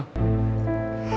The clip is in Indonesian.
rumah sakit bermata